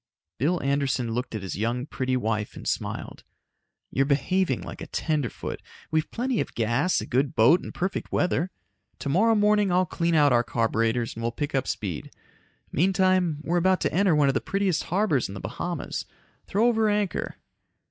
Bill Anderson looked at his young, pretty wife and smiled. "You're behaving like a tenderfoot. We've plenty of gas, a good boat and perfect weather. Tomorrow morning I'll clean out our carburetors and we'll pick up speed. Meantime, we're about to enter one of the prettiest harbors in the Bahamas, throw over anchor